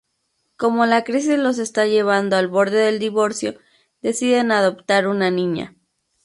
Como la crisis los está llevando al borde del divorcio, deciden adoptar una niña.